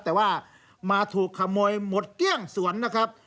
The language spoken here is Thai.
แต่ว่ามาถูกขโมยหมดเกลี้ยงสวนนะครับ